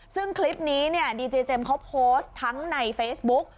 ซึ่งคลิปนี้เนี่ยดีเจเจมส์เขาโพสต์ทั้งในเฟซบุ๊ก